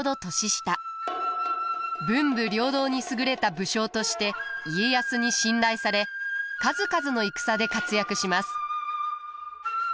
文武両道に優れた武将として家康に信頼され数々の戦で活躍します。